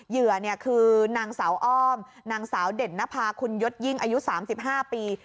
เหยื่อคือนางสาวอ้อมนางสาวเด่นนภาคุณยศยิ่งอายุ๓๕ปี